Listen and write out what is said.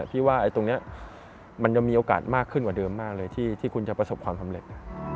พี่ว่าตรงนี้มันยังมีโอกาสมากขึ้นกว่าเดิมมากเลยที่คุณจะประสบความสำเร็จ